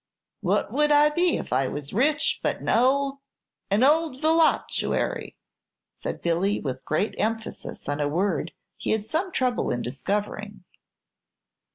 What would I be if I was rich, but an ould an ould voluptuary?" said Billy, with great emphasis on a word he had some trouble in discovering.